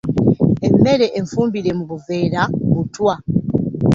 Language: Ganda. Emmere enfumbire mu buveera butwa!